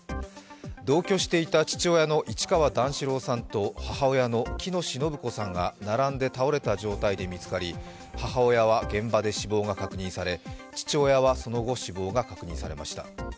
同居していた父親の市川段四郎さんと母親の喜熨斗延子さんが並んで倒れた状態で見つかり母親は現場で死亡が確認され、父親はその後、死亡が確認されました。